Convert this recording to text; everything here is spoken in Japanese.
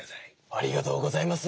ありがとうございます。